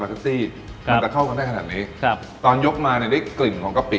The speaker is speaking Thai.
มันจะเข้ากันได้ขนาดนี้ครับตอนยกมาเนี่ยได้กลิ่นของกะปิ